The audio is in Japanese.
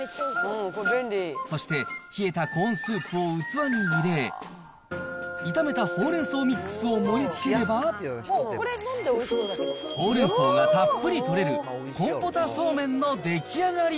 そして冷えたコーンスープを器に入れ、炒めたほうれん草ミックスを盛りつければ、ほうれん草がたっぷり取れるコンポタそうめんの出来上がり。